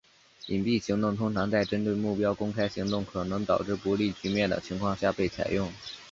隐蔽行动通常在针对目标公开行动可能导致不利局面的情况下被采用。